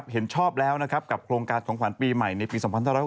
เห็นชอบแล้วนะครับกับโครงการของขวัญปีใหม่ในปี๒๕๖๖